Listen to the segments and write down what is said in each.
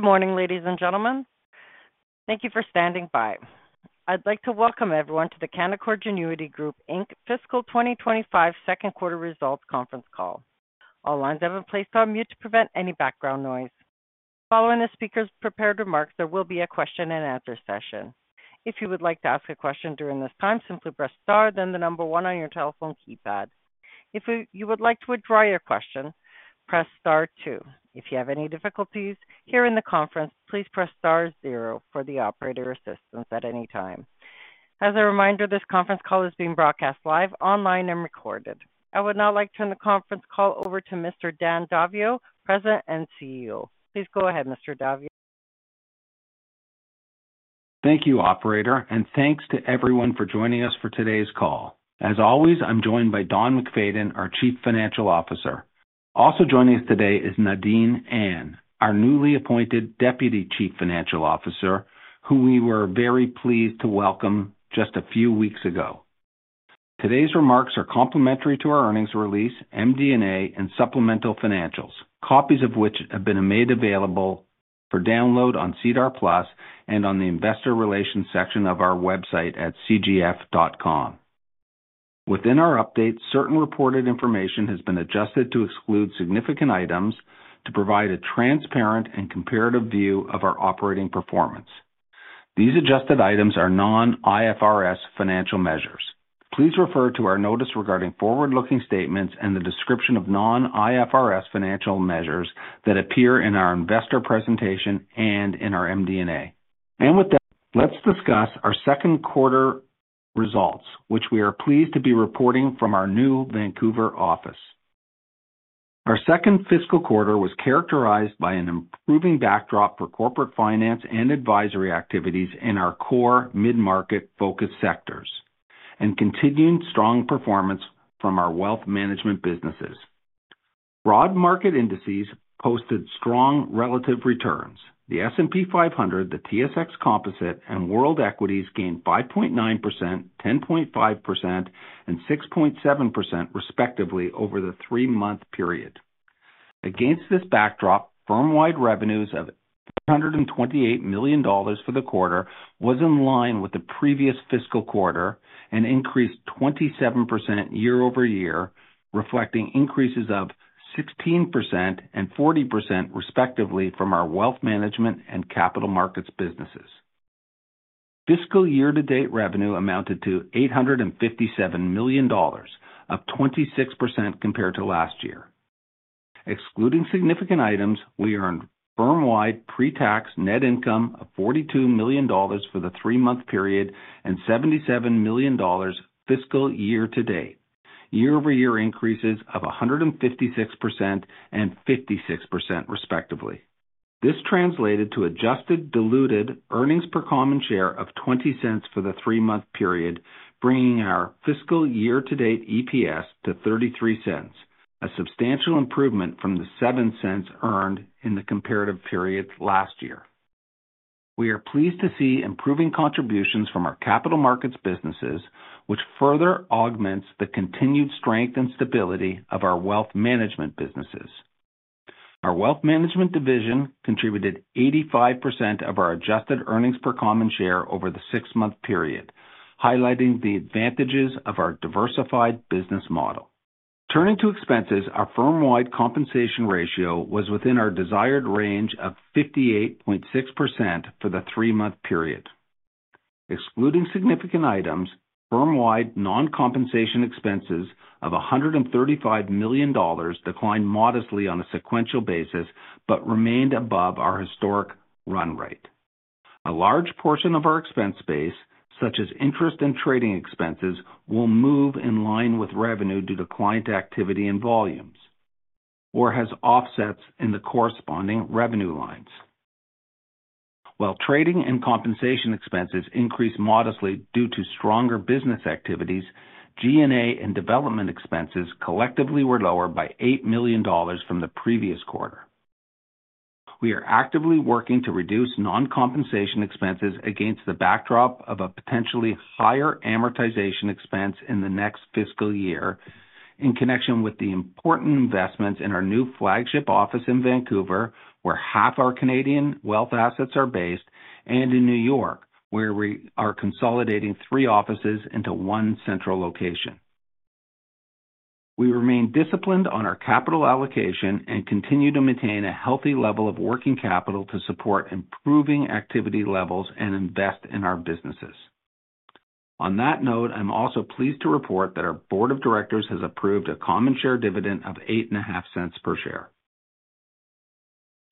Good morning, ladies and gentlemen. Thank you for standing by. I'd like to welcome everyone to the Canaccord Genuity Group Inc. Fiscal 2025 second quarter results conference call. All lines have been placed on mute to prevent any background noise. Following the speaker's prepared remarks, there will be a question and answer session. If you would like to ask a question during this time, simply press star, then the number one on your telephone keypad. If you would like to withdraw your question, press star two. If you have any difficulties here in the conference, please press star zero for the operator assistance at any time. As a reminder, this conference call is being broadcast live, online, and recorded. I would now like to turn the conference call over to Mr. Dan Daviau, President and CEO. Please go ahead, Mr. Daviau. Thank you, Operator, and thanks to everyone for joining us for today's call. As always, I'm joined by Don MacFayden, our Chief Financial Officer. Also joining us today is Nadine Ahn, our newly appointed Deputy Chief Financial Officer, who we were very pleased to welcome just a few weeks ago. Today's remarks are complimentary to our earnings release, MD&A, and supplemental financials, copies of which have been made available for download on SEDAR+ and on the investor relations section of our website at cgf.com. Within our update, certain reported information has been adjusted to exclude significant items to provide a transparent and comparative view of our operating performance. These adjusted items are non-IFRS financial measures. Please refer to our notice regarding forward-looking statements and the description of non-IFRS financial measures that appear in our investor presentation and in our MD&A. With that, let's discuss our second quarter results, which we are pleased to be reporting from our new Vancouver office. Our second fiscal quarter was characterized by an improving backdrop for corporate finance and advisory activities in our core mid-market focus sectors and continuing strong performance from our wealth management businesses. Broad market indices posted strong relative returns. The S&P 500, the TSX Composite, and World Equities gained 5.9%, 10.5%, and 6.7% respectively over the three-month period. Against this backdrop, firm-wide revenues of 828 million dollars for the quarter were in line with the previous fiscal quarter and increased 27% year-over-year, reflecting increases of 16% and 40% respectively from our wealth management and capital markets businesses. Fiscal year-to-date revenue amounted to 857 million dollars, up 26% compared to last year. Excluding significant items, we earned firm-wide pre-tax net income of 42 million dollars for the three-month period and 77 million dollars fiscal year-to-date, year-over-year increases of 156% and 56% respectively. This translated to adjusted diluted earnings per common share of 0.20 for the three-month period, bringing our fiscal year-to-date EPS to 0.33, a substantial improvement from the 0.07 earned in the comparative period last year. We are pleased to see improving contributions from our capital markets businesses, which further augments the continued strength and stability of our wealth management businesses. Our wealth management division contributed 85% of our adjusted earnings per common share over the six-month period, highlighting the advantages of our diversified business model. Turning to expenses, our firm-wide compensation ratio was within our desired range of 58.6% for the three-month period. Excluding significant items, firm-wide non-compensation expenses of 135 million dollars declined modestly on a sequential basis but remained above our historic run rate. A large portion of our expense base, such as interest and trading expenses, will move in line with revenue due to client activity and volumes, or has offsets in the corresponding revenue lines. While trading and compensation expenses increased modestly due to stronger business activities, G&A and development expenses collectively were lower by 8 million dollars from the previous quarter. We are actively working to reduce non-compensation expenses against the backdrop of a potentially higher amortization expense in the next fiscal year in connection with the important investments in our new flagship office in Vancouver, where half our Canadian wealth assets are based, and in New York, where we are consolidating three offices into one central location. We remain disciplined on our capital allocation and continue to maintain a healthy level of working capital to support improving activity levels and invest in our businesses. On that note, I'm also pleased to report that our Board of Directors has approved a common share dividend of 0.85 per share.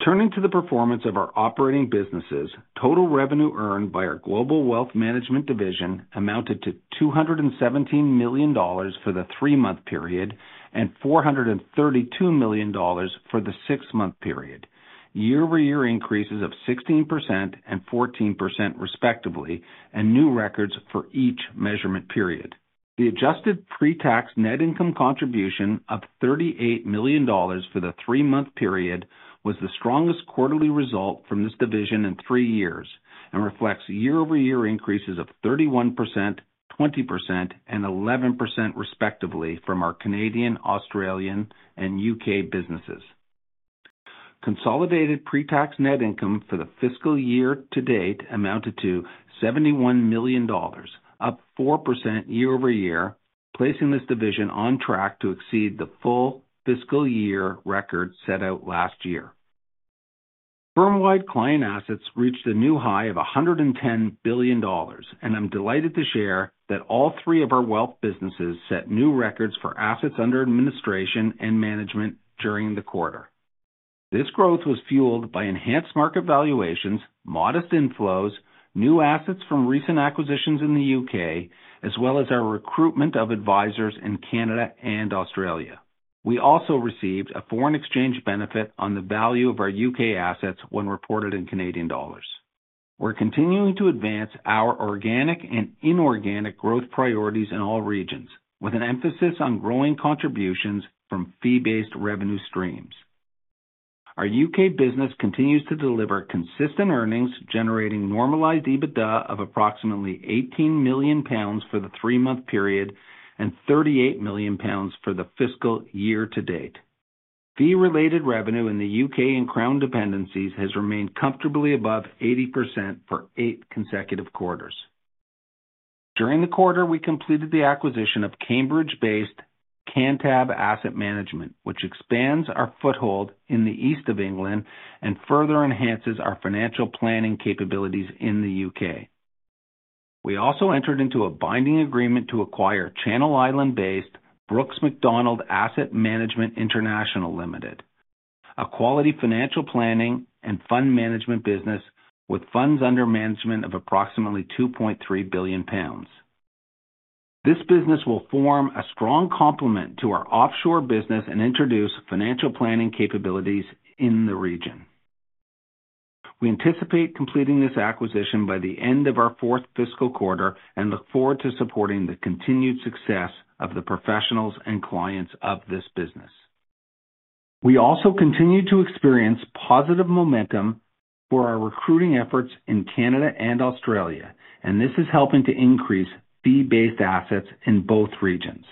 Turning to the performance of our operating businesses, total revenue earned by our Global Wealth Management Division amounted to $217 million for the three-month period and $432 million for the six-month period, year-over-year increases of 16% and 14% respectively, and new records for each measurement period. The adjusted pre-tax net income contribution of $38 million for the three-month period was the strongest quarterly result from this division in three years and reflects year-over-year increases of 31%, 20%, and 11% respectively from our Canadian, Australian, and U.K. businesses. Consolidated pre-tax net income for the fiscal year-to-date amounted to CAD 71 million, up 4% year-over-year, placing this division on track to exceed the full fiscal year record set out last year. Firm-wide client assets reached a new high of 110 billion dollars, and I'm delighted to share that all three of our wealth businesses set new records for assets under administration and management during the quarter. This growth was fueled by enhanced market valuations, modest inflows, new assets from recent acquisitions in the U.K., as well as our recruitment of advisors in Canada and Australia. We also received a foreign exchange benefit on the value of our U.K. assets when reported in Canadian dollars. We're continuing to advance our organic and inorganic growth priorities in all regions, with an emphasis on growing contributions from fee-based revenue streams. Our U.K. business continues to deliver consistent earnings, generating normalized EBITDA of approximately 18 million pounds for the three-month period and 38 million pounds for the fiscal year-to-date. Fee-related revenue in the UK and Crown dependencies has remained comfortably above 80% for eight consecutive quarters. During the quarter, we completed the acquisition of Cambridge-based Cantab Asset Management, which expands our foothold in the east of England and further enhances our financial planning capabilities in the U.K. We also entered into a binding agreement to acquire Channel Islands-based Brooks Macdonald Asset Management International Limited, a quality financial planning and fund management business with funds under management of approximately 2.3 billion pounds. This business will form a strong complement to our offshore business and introduce financial planning capabilities in the region. We anticipate completing this acquisition by the end of our fourth fiscal quarter and look forward to supporting the continued success of the professionals and clients of this business. We also continue to experience positive momentum for our recruiting efforts in Canada and Australia, and this is helping to increase fee-based assets in both regions.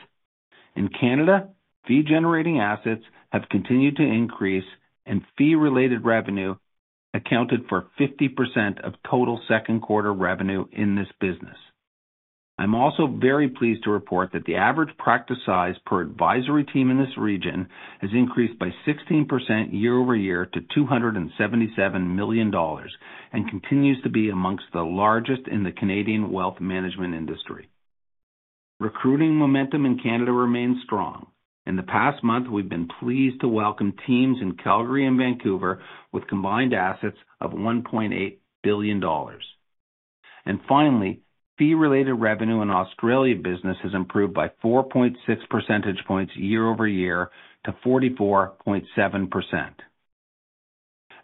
In Canada, fee-generating assets have continued to increase, and fee-related revenue accounted for 50% of total second quarter revenue in this business. I'm also very pleased to report that the average practice size per advisory team in this region has increased by 16% year-over-year to 277 million dollars and continues to be among the largest in the Canadian wealth management industry. Recruiting momentum in Canada remains strong. In the past month, we've been pleased to welcome teams in Calgary and Vancouver with combined assets of 1.8 billion dollars. Finally, fee-related revenue in Australian business has improved by 4.6 percentage points year-over-year to 44.7%.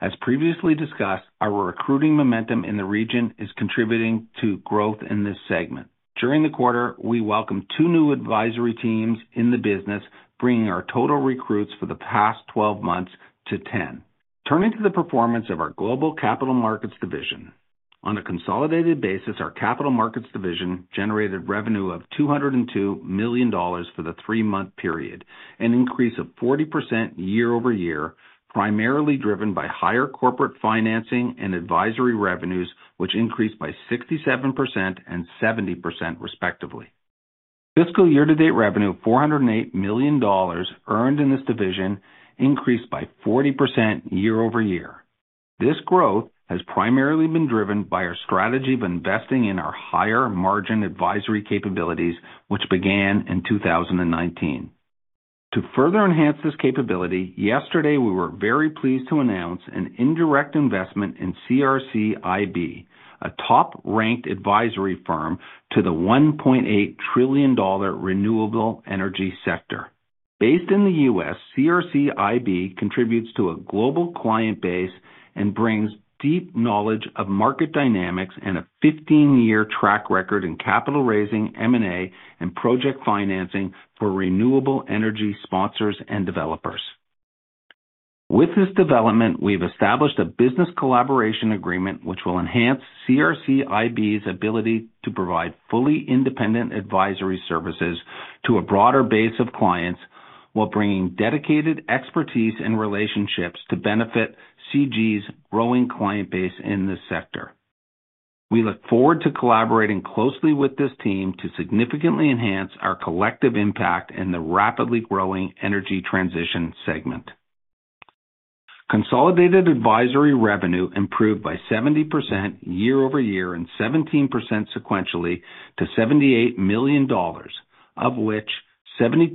As previously discussed, our recruiting momentum in the region is contributing to growth in this segment. During the quarter, we welcomed two new advisory teams in the business, bringing our total recruits for the past 12 months to 10. Turning to the performance of our Global Capital Markets Division, on a consolidated basis, our Capital Markets Division generated revenue of 202 million dollars for the three-month period, an increase of 40% year-over-year, primarily driven by higher corporate financing and advisory revenues, which increased by 67% and 70% respectively. Fiscal year-to-date revenue of 408 million dollars earned in this division increased by 40% year-over-year. This growth has primarily been driven by our strategy of investing in our higher margin advisory capabilities, which began in 2019. To further enhance this capability, yesterday we were very pleased to announce an indirect investment in CRC-IB, a top-ranked advisory firm to the $1.8 trillion renewable energy sector. Based in the U.S., CRC-IB contributes to a global client base and brings deep knowledge of market dynamics and a 15-year track record in capital raising, M&A, and project financing for renewable energy sponsors and developers. With this development, we've established a business collaboration agreement, which will enhance CRC-IB's ability to provide fully independent advisory services to a broader base of clients while bringing dedicated expertise and relationships to benefit CG's growing client base in this sector. We look forward to collaborating closely with this team to significantly enhance our collective impact in the rapidly growing energy transition segment. Consolidated advisory revenue improved by 70% year-over-year and 17% sequentially to $78 million, of which 72%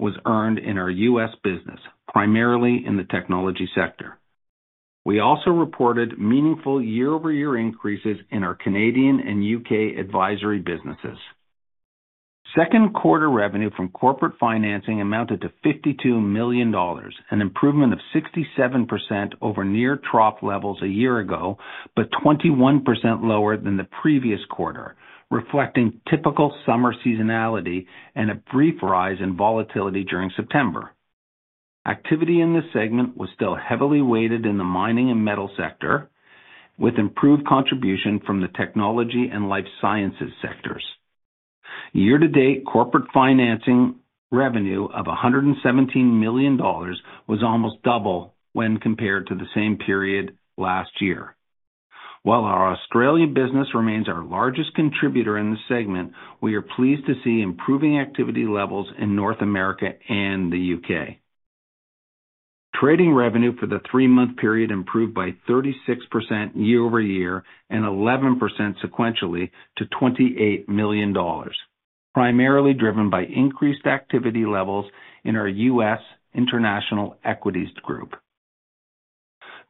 was earned in our U.S business, primarily in the technology sector. We also reported meaningful year-over-year increases in our Canadian and U.K. advisory businesses. Second quarter revenue from corporate financing amounted to $52 million, an improvement of 67% over near-trough levels a year ago, but 21% lower than the previous quarter, reflecting typical summer seasonality and a brief rise in volatility during September. Activity in this segment was still heavily weighted in the mining and metals sector, with improved contribution from the technology and life sciences sectors. Year-to-date corporate financing revenue of $117 million was almost double when compared to the same period last year. While our Australian business remains our largest contributor in the segment, we are pleased to see improving activity levels in North America and the U.K. Trading revenue for the three-month period improved by 36% year-over-year and 11% sequentially to $28 million, primarily driven by increased activity levels in our U.S. International Equities Group.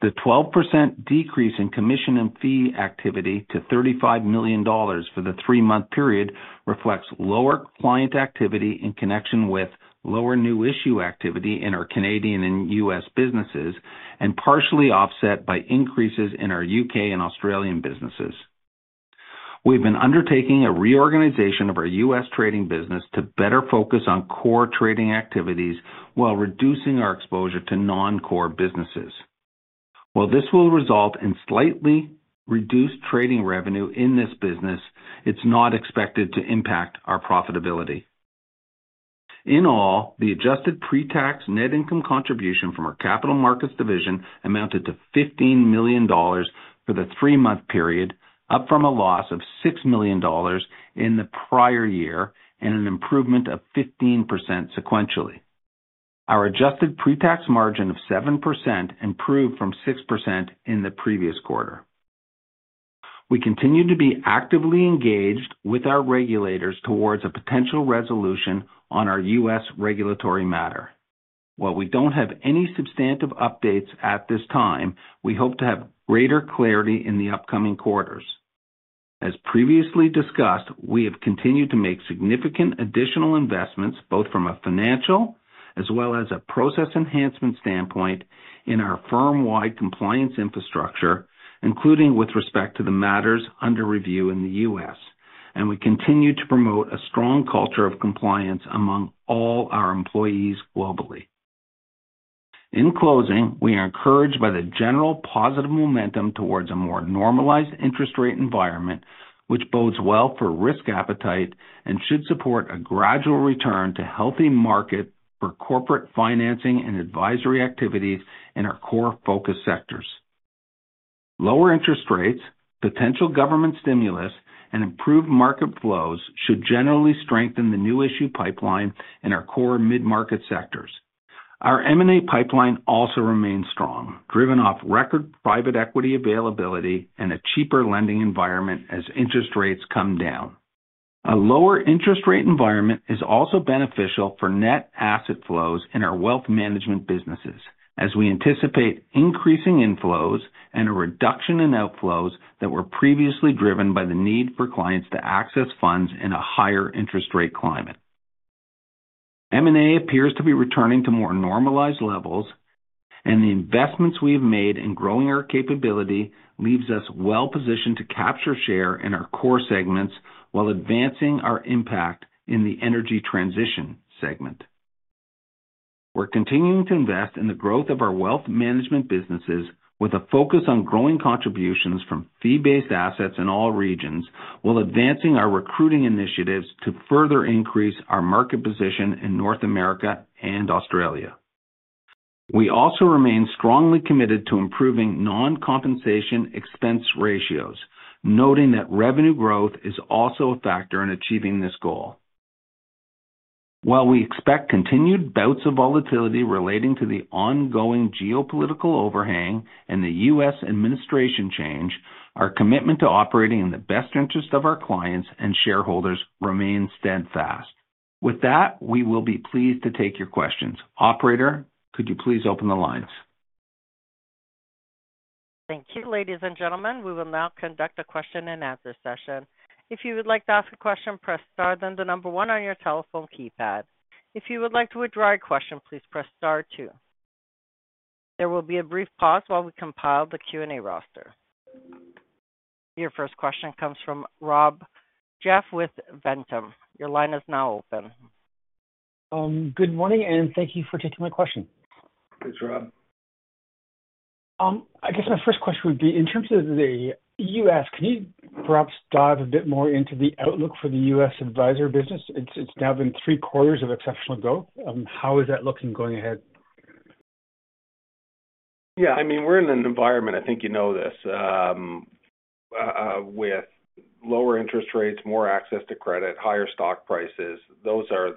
The 12% decrease in commission and fee activity to $35 million for the three-month period reflects lower client activity in connection with lower new issue activity in our Canadian and U.S. businesses and partially offset by increases in our U.K. and Australian businesses. We've been undertaking a reorganization of our U.S. trading business to better focus on core trading activities while reducing our exposure to non-core businesses. While this will result in slightly reduced trading revenue in this business, it's not expected to impact our profitability. In all, the adjusted pre-tax net income contribution from our Capital Markets Division amounted to $15 million for the three-month period, up from a loss of $6 million in the prior year and an improvement of 15% sequentially. Our adjusted pre-tax margin of 7% improved from 6% in the previous quarter. We continue to be actively engaged with our regulators towards a potential resolution on our U.S. regulatory matter. While we don't have any substantive updates at this time, we hope to have greater clarity in the upcoming quarters. As previously discussed, we have continued to make significant additional investments, both from a financial as well as a process enhancement standpoint, in our firm-wide compliance infrastructure, including with respect to the matters under review in the U.S., and we continue to promote a strong culture of compliance among all our employees globally. In closing, we are encouraged by the general positive momentum towards a more normalized interest rate environment, which bodes well for risk appetite and should support a gradual return to healthy market for corporate financing and advisory activities in our core focus sectors. Lower interest rates, potential government stimulus, and improved market flows should generally strengthen the new issue pipeline in our core mid-market sectors. Our M&A pipeline also remains strong, driven off record private equity availability and a cheaper lending environment as interest rates come down. A lower interest rate environment is also beneficial for net asset flows in our wealth management businesses, as we anticipate increasing inflows and a reduction in outflows that were previously driven by the need for clients to access funds in a higher interest rate climate. M&A appears to be returning to more normalized levels, and the investments we've made in growing our capability leave us well-positioned to capture share in our core segments while advancing our impact in the energy transition segment. We're continuing to invest in the growth of our wealth management businesses, with a focus on growing contributions from fee-based assets in all regions, while advancing our recruiting initiatives to further increase our market position in North America and Australia. We also remain strongly committed to improving non-compensation expense ratios, noting that revenue growth is also a factor in achieving this goal. While we expect continued bouts of volatility relating to the ongoing geopolitical overhang and the U.S. administration change, our commitment to operating in the best interest of our clients and shareholders remains steadfast. With that, we will be pleased to take your questions. Operator, could you please open the lines? Thank you, ladies and gentlemen. We will now conduct a question-and-answer session. If you would like to ask a question, press star then the number one on your telephone keypad. If you would like to withdraw your question, please press star two. There will be a brief pause while we compile the Q&A roster. Your first question comes from Rob Goff with Ventum Financial. Your line is now open. Good morning, and thank you for taking my question. Thanks, Rob. I guess my first question would be, in terms of the U.S., can you perhaps dive a bit more into the outlook for the U.S. advisory business? It's now been three quarters of exceptional growth. How is that looking going ahead? Yeah, I mean, we're in an environment, I think you know this, with lower interest rates, more access to credit, higher stock prices. Those are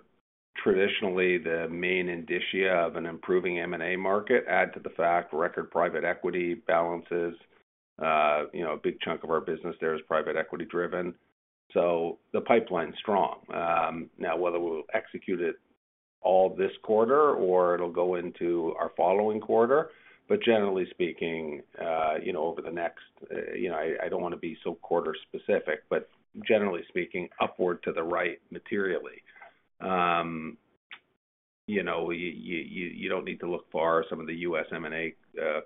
traditionally the main indicia of an improving M&A market. Add to the fact record private equity balances. A big chunk of our business there is private equity driven. So the pipeline is strong. Now, whether we'll execute it all this quarter or it'll go into our following quarter, but generally speaking, over the next, I don't want to be so quarter specific, but generally speaking, upward to the right materially. You don't need to look far. Some of the U.S. M&A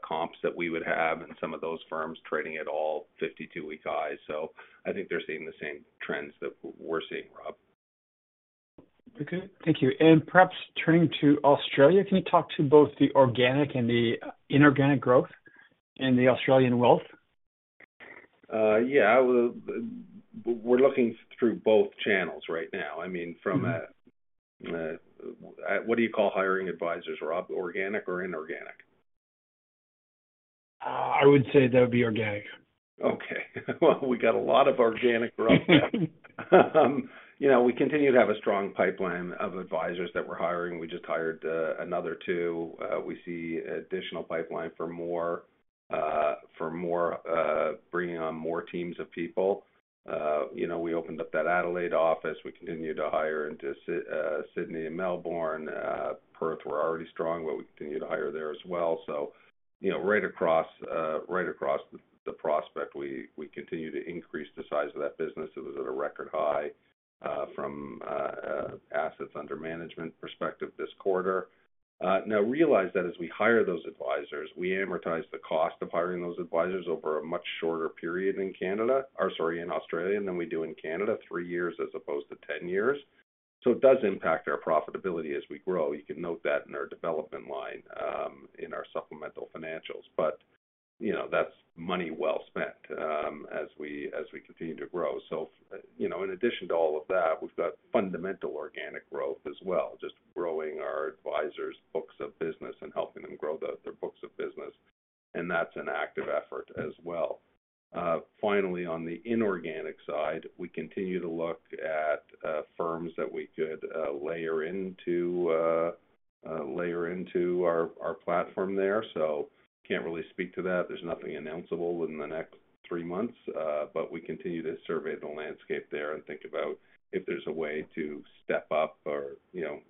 comps that we would have and some of those firms trading at all 52-week highs. So I think they're seeing the same trends that we're seeing, Rob. Okay. Thank you. And perhaps turning to Australia, can you talk to both the organic and the inorganic growth in the Australian wealth? Yeah. We're looking through both channels right now. I mean, from a, what do you call hiring advisors, Rob? Organic or inorganic? I would say that would be organic. Okay, well, we got a lot of organic, Rob. We continue to have a strong pipeline of advisors that we're hiring. We just hired another two. We see additional pipeline for bringing on more teams of people. We opened up that Adelaide office. We continued to hire into Sydney and Melbourne. Perth were already strong, but we continue to hire there as well. So right across the spectrum, we continue to increase the size of that business. It was at a record high from assets under management perspective this quarter. Now, realize that as we hire those advisors, we amortize the cost of hiring those advisors over a much shorter period in Canada, sorry, in Australia, than we do in Canada, three years as opposed to 10 years. So it does impact our profitability as we grow. You can note that in our development line in our supplemental financials, but that's money well spent as we continue to grow, so in addition to all of that, we've got fundamental organic growth as well, just growing our advisor's books of business and helping them grow their books of business, and that's an active effort as well. Finally, on the inorganic side, we continue to look at firms that we could layer into our platform there, so can't really speak to that. There's nothing announceable in the next three months, but we continue to survey the landscape there and think about if there's a way to step up or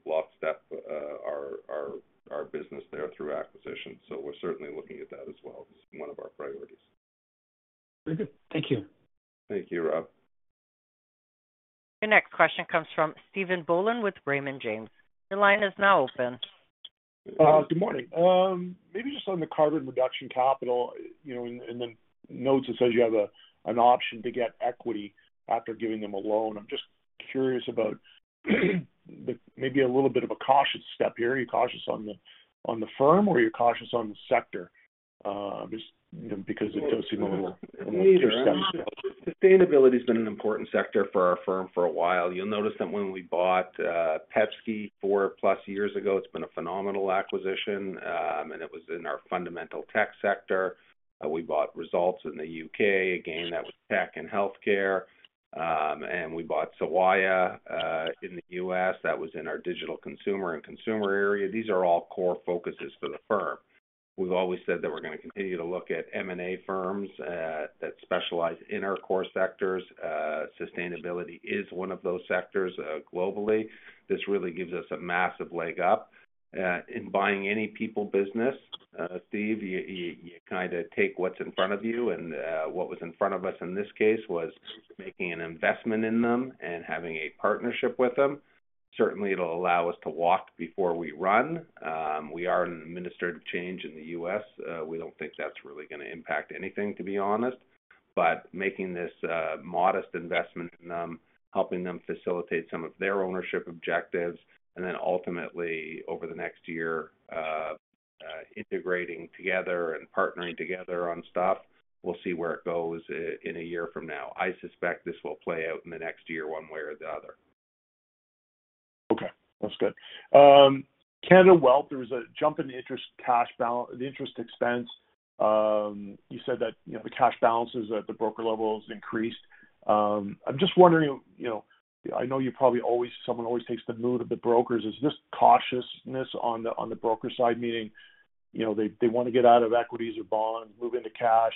bolster our business there through acquisitions, so we're certainly looking at that as well as one of our priorities. Okay. Thank you. Thank you, Rob. Your next question comes from Stephen Boland with Raymond James. Your line is now open. Good morning. Maybe just on the carbon reduction capital in the notes that says you have an option to get equity after giving them a loan. I'm just curious about maybe a little bit of a cautious step here. Are you cautious on the firm or are you cautious on the sector? Just because it does seem a little. Sustainability has been an important sector for our firm for a while. You'll notice that when we bought Petsky Prunier four plus years ago, it's been a phenomenal acquisition, and it was in our fundamental tech sector. We bought Results International in the U.K. again that second healthcare, and we bought Sawaya Partners in the U.S. That was in our digital consumer and consumer area. These are all core focuses for the firm. We've always said that we're going to continue to look at M&A firms that specialize in our core sectors. Sustainability is one of those sectors globally. This really gives us a massive leg up in buying any people business. Steve, you kind of take what's in front of you, and what was in front of us in this case was making an investment in them and having a partnership with them. Certainly, it'll allow us to walk before we run. We are in an administrative change in the U.S. We don't think that's really going to impact anything, to be honest. But making this modest investment in them, helping them facilitate some of their ownership objectives, and then ultimately, over the next year, integrating together and partnering together on stuff, we'll see where it goes in a year from now. I suspect this will play out in the next year one way or the other. Okay. That's good. Canada Wealth, there was a jump in the interest expense. You said that the cash balances at the broker level have increased. I'm just wondering, I know you probably always, someone always takes the mood of the brokers. Is this cautiousness on the broker side, meaning they want to get out of equities or bonds, move into cash,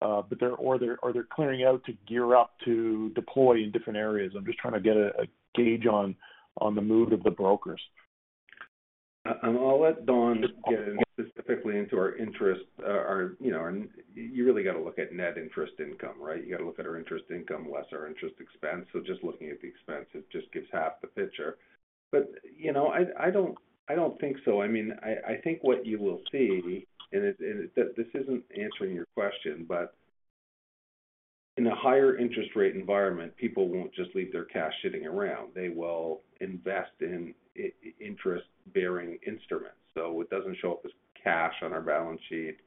or they're clearing out to gear up to deploy in different areas? I'm just trying to get a gauge on the mood of the brokers. I'll let Don get specifically into our interest. You really got to look at net interest income, right? You got to look at our interest income less our interest expense. So just looking at the expense, it just gives half the picture. But I don't think so. I mean, I think what you will see - and this isn't answering your question - but in a higher interest rate environment, people won't just leave their cash sitting around. They will invest in interest-bearing instruments. So it doesn't show up as cash on our balance sheet.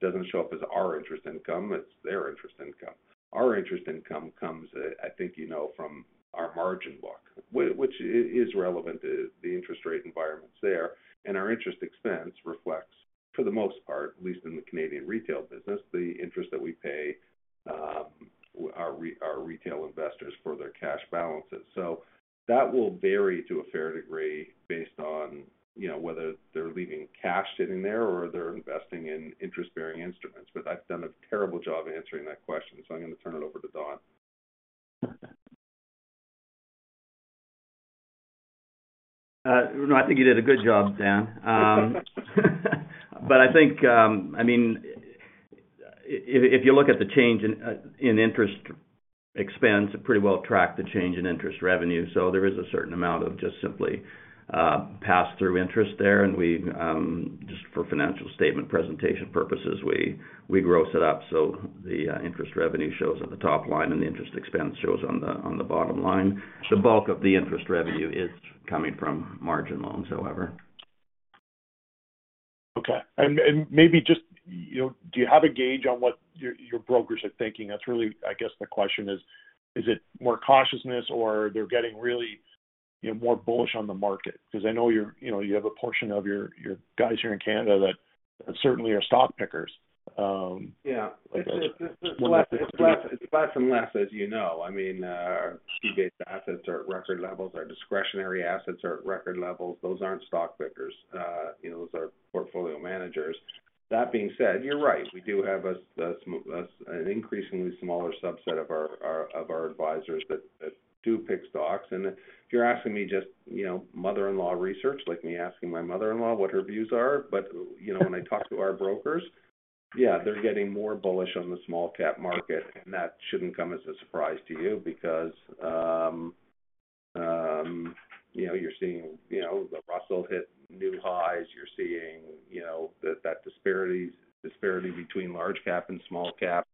It doesn't show up as our interest income. It's their interest income. Our interest income comes, I think you know, from our margin book, which is relevant to the interest rate environments there. And our interest expense reflects, for the most part, at least in the Canadian retail business, the interest that we pay our retail investors for their cash balances. So that will vary to a fair degree based on whether they're leaving cash sitting there or they're investing in interest-bearing instruments. But I've done a terrible job answering that question, so I'm going to turn it over to Don. No, I think you did a good job, Dan. But I think, I mean, if you look at the change in interest expense, it pretty well tracked the change in interest revenue. So there is a certain amount of just simply pass-through interest there. Just for financial statement presentation purposes, we gross it up. So the interest revenue shows at the top line and the interest expense shows on the bottom line. The bulk of the interest revenue is coming from margin loans, however. Okay. Maybe just do you have a gauge on what your brokers are thinking? That's really, I guess, the question is, is it more cautiousness or they're getting really more bullish on the market? Because I know you have a portion of your guys here in Canada that certainly are stock pickers. Yeah. It's less and less, as you know. I mean, our fee-based assets are at record levels. Our discretionary assets are at record levels. Those aren't stock pickers. Those are portfolio managers. That being said, you're right. We do have an increasingly smaller subset of our advisors that do pick stocks. And if you're asking me just mother-in-law research, like me asking my mother-in-law what her views are, but when I talk to our brokers, yeah, they're getting more bullish on the small-cap market. And that shouldn't come as a surprise to you because you're seeing the Russell hit new highs. You're seeing that disparity between large-cap and small-cap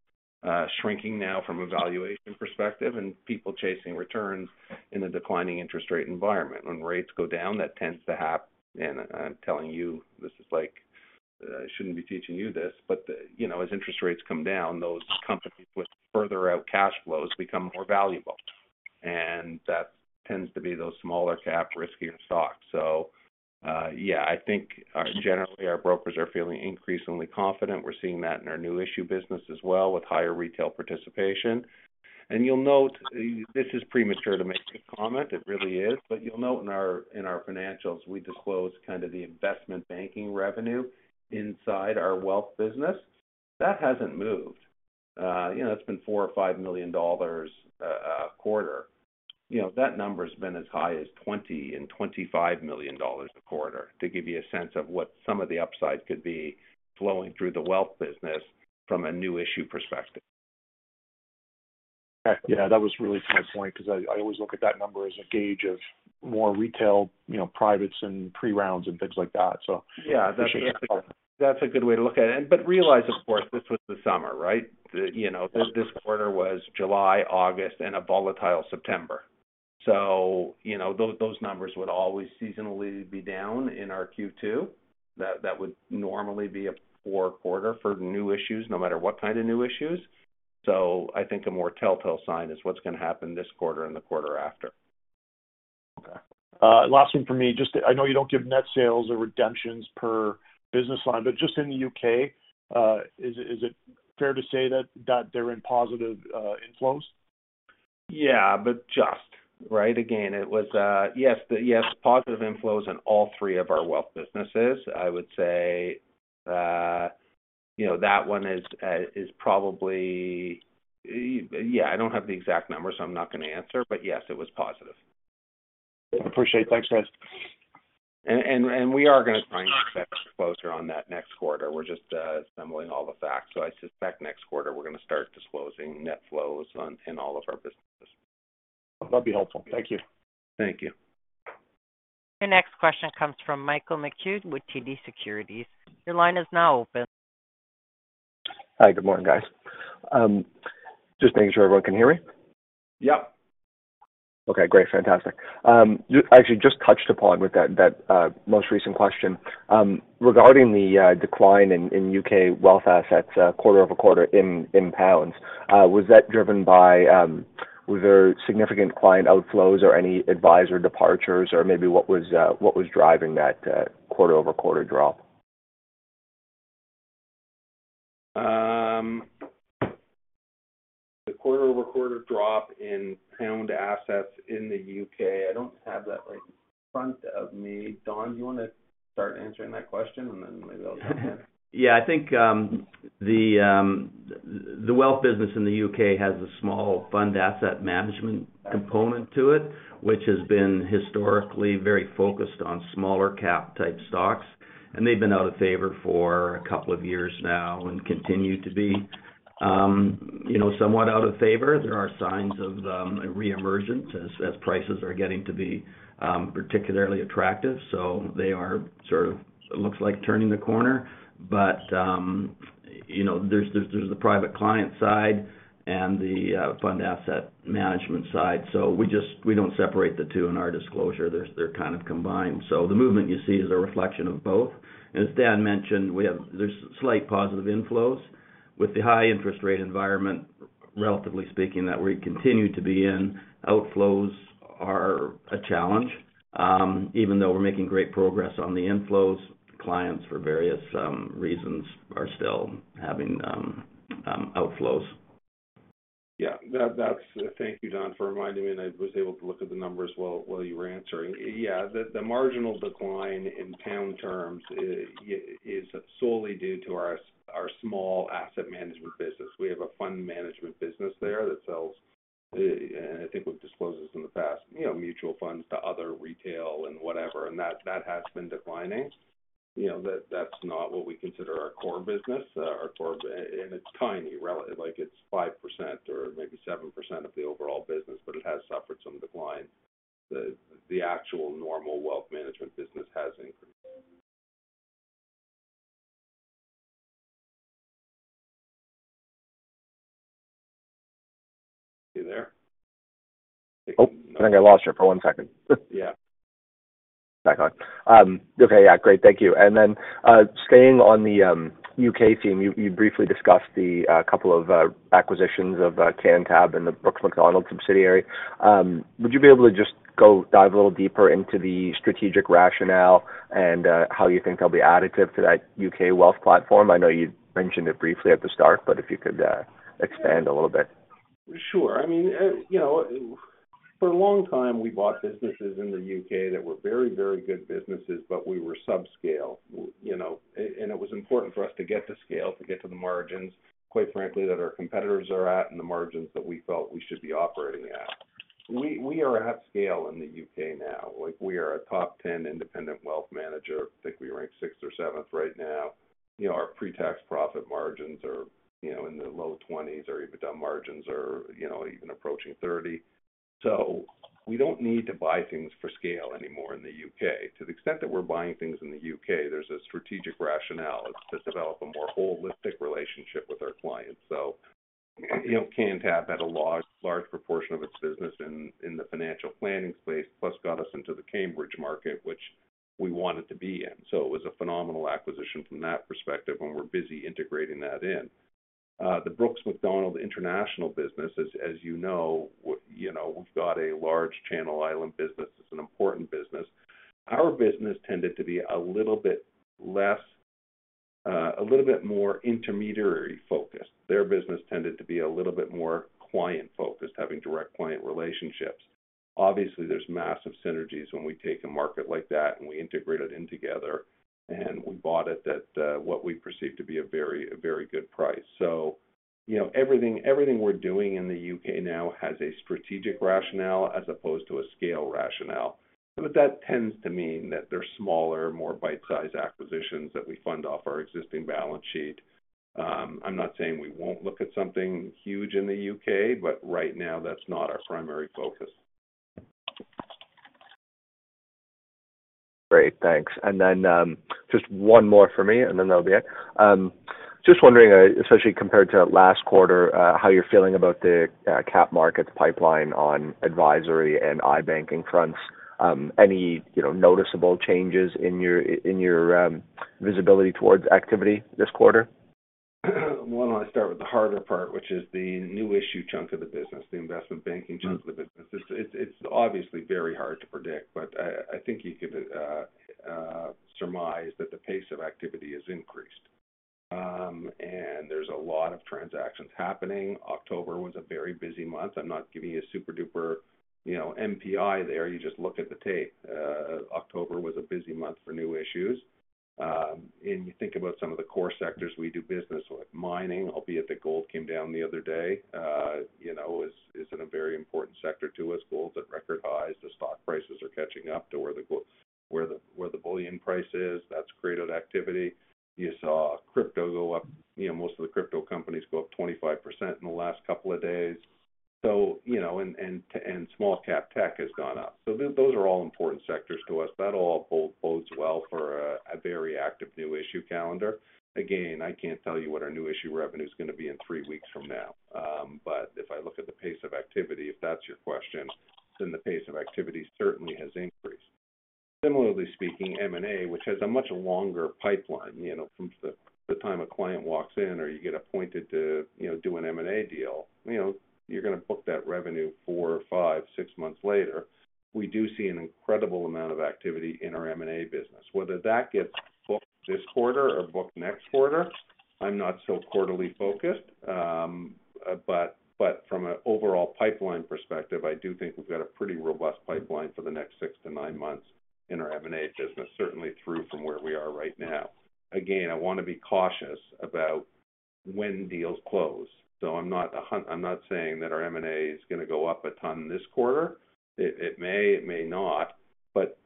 shrinking now from a valuation perspective and people chasing returns in a declining interest rate environment. When rates go down, that tends to happen. I'm telling you, this is like I shouldn't be teaching you this, but as interest rates come down, those companies with further out cash flows become more valuable. And that tends to be those smaller-cap, riskier stocks. So yeah, I think generally our brokers are feeling increasingly confident. We're seeing that in our new issue business as well with higher retail participation. And you'll note, this is premature to make a comment. It really is. But you'll note in our financials, we disclose kind of the investment banking revenue inside our wealth business. That hasn't moved. That's been CAD four or five million a quarter. That number has been as high as 20 and 25 million a quarter to give you a sense of what some of the upside could be flowing through the wealth business from a new issue perspective. Okay. Yeah. That was really to my point because I always look at that number as a gauge of more retail privates and pre-rounds and things like that. So that's a good way to look at it. But realize, of course, this was the summer, right? This quarter was July, August, and a volatile September. So those numbers would always seasonally be down in our Q2. That would normally be a poor quarter for new issues, no matter what kind of new issues. So I think a more telltale sign is what's going to happen this quarter and the quarter after. Okay. Last one for me. Just I know you don't give net sales or redemptions per business line, but just in the U.K., is it fair to say that they're in positive inflows? Yeah, but just, right? Again, it was yes, positive inflows in all three of our wealth businesses. I would say that one is probably, yeah, I don't have the exact number, so I'm not going to answer, but yes, it was positive. Appreciate it. Thanks, guys. And we are going to try and get closer on that next quarter. We're just assembling all the facts, so I suspect next quarter we're going to start disclosing net flows in all of our businesses. That'd be helpful. Thank you. Thank you. Your next question comes from Michael McCue with TD Securities. Your line is now open. Hi. Good morning, guys. Just making sure everyone can hear me. Yep. Okay. Great. Fantastic. Actually, just touched upon with that most recent question regarding the decline in U.K. wealth assets quarter over quarter in pounds. Was that driven by were there significant client outflows or any advisor departures or maybe what was driving that quarter-over-quarter drop? The quarter-over-quarter drop in pound assets in the U.K. I don't have that right in front of me. Don, do you want to start answering that question and then maybe I'll jump in? Yeah. I think the wealth business in the U.K. has a small fund asset management component to it, which has been historically very focused on smaller-cap type stocks, and they've been out of favor for a couple of years now and continue to be somewhat out of favor. There are signs of reemergence as prices are getting to be particularly attractive. So they are sort of, it looks like, turning the corner. But there's the private client side and the fund asset management side. So we don't separate the two in our disclosure. They're kind of combined. So the movement you see is a reflection of both. As Dan mentioned, there's slight positive inflows with the high interest rate environment, relatively speaking, that we continue to be in. Outflows are a challenge. Even though we're making great progress on the inflows, clients for various reasons are still having outflows. Yeah. Thank you, Don, for reminding me. And I was able to look at the numbers while you were answering. Yeah. The marginal decline in pound terms is solely due to our small asset management business. We have a fund management business there that sells, and I think we've disclosed this in the past, mutual funds to other retail and whatever. And that has been declining. That's not what we consider our core business. And it's tiny. It's 5% or maybe 7% of the overall business, but it has suffered some decline. The actual normal wealth management business has increased. You there? I think I lost you for one second. Yeah. Okay. Yeah. Great. Thank you. And then staying on the U.K. theme, you briefly discussed the couple of acquisitions of Cantab and the Brooks Macdonald subsidiary. Would you be able to just go dive a little deeper into the strategic rationale and how you think they'll be additive to that U.K. wealth platform? I know you mentioned it briefly at the start, but if you could expand a little bit. Sure. I mean, for a long time, we bought businesses in the U.K. that were very, very good businesses, but we were subscale. And it was important for us to get to scale, to get to the margins, quite frankly, that our competitors are at and the margins that we felt we should be operating at. We are at scale in the U.K. now. We are a top 10 independent wealth manager. I think we ranked sixth or seventh right now. Our pre-tax profit margins are in the low 20s%, or even EBITDA margins are even approaching 30%. So we don't need to buy things for scale anymore in the U.K. To the extent that we're buying things in the U.K., there's a strategic rationale to develop a more holistic relationship with our clients. So Cantab had a large proportion of its business in the financial planning space, plus got us into the Cambridge market, which we wanted to be in. So it was a phenomenal acquisition from that perspective, and we're busy integrating that in. The Brooks Macdonald international business, as you know, we've got a large Channel Islands business. It's an important business. Our business tended to be a little bit less, a little bit more intermediary focused. Their business tended to be a little bit more client-focused, having direct client relationships. Obviously, there's massive synergies when we take a market like that and we integrate it in together, and we bought it at what we perceive to be a very good price. So everything we're doing in the U.K. now has a strategic rationale as opposed to a scale rationale. But that tends to mean that there's smaller, more bite-sized acquisitions that we fund off our existing balance sheet. I'm not saying we won't look at something huge in the U.K., but right now, that's not our primary focus. Great. Thanks. And then just one more for me, and then that'll be it. Just wondering, especially compared to last quarter, how you're feeling about the cap markets pipeline on advisory and i-banking fronts. Any noticeable changes in your visibility towards activity this quarter? Why don't I start with the harder part, which is the new issue chunk of the business, the investment banking chunk of the business? It's obviously very hard to predict, but I think you could surmise that the pace of activity has increased, and there's a lot of transactions happening. October was a very busy month. I'm not giving you a super duper MPI there. You just look at the tape. October was a busy month for new issues, and you think about some of the core sectors we do business with, mining, albeit the gold came down the other day, is in a very important sector to us. Gold's at record highs. The stock prices are catching up to where the bullion price is. That's cradled activity. You saw crypto go up. Most of the crypto companies go up 25% in the last couple of days. Small-cap tech has gone up. Those are all important sectors to us. That all bodes well for a very active new issue calendar. Again, I can't tell you what our new issue revenue is going to be in three weeks from now. If I look at the pace of activity, if that's your question, then the pace of activity certainly has increased. Similarly speaking, M&A, which has a much longer pipeline from the time a client walks in or you get appointed to do an M&A deal, you're going to book that revenue four, five, six months later. We do see an incredible amount of activity in our M&A business. Whether that gets booked this quarter or booked next quarter, I'm not so quarterly focused. But from an overall pipeline perspective, I do think we've got a pretty robust pipeline for the next six to nine months in our M&A business, certainly through from where we are right now. Again, I want to be cautious about when deals close. So I'm not saying that our M&A is going to go up a ton this quarter. It may, it may not. But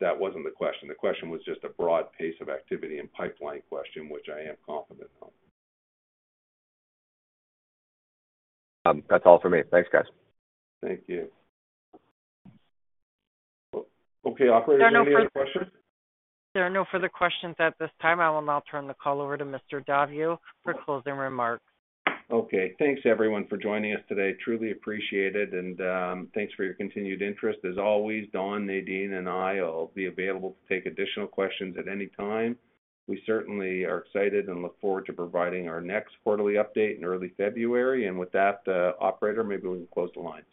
that wasn't the question. The question was just a broad pace of activity and pipeline question, which I am confident in. That's all for me. Thanks, guys. Thank you. Okay. Operator, do you have any questions? There are no further questions at this time. I will now turn the call over to Mr. Daviau for closing remarks. Okay. Thanks, everyone, for joining us today. Truly appreciate it. And thanks for your continued interest. As always, Don, Nadine, and I will be available to take additional questions at any time. We certainly are excited and look forward to providing our next quarterly update in early February. And with that, Operator, maybe we can close the lines.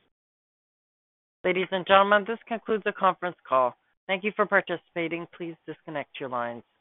Ladies and gentlemen, this concludes the conference call. Thank you for participating. Please disconnect your lines.